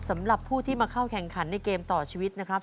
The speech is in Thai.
สำหรับผู้ที่มาเข้าแข่งขันในเกมต่อชีวิตนะครับ